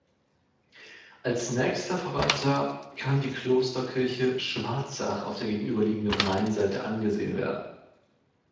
Als nächster Verwandter kann die Klosterkirche Schwarzach auf der gegenüberliegenden Rheinseite angesehen werden.